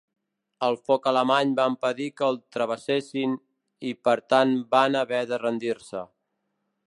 El foc alemany va impedir que el travessessin, i per tant van haver de rendir-se.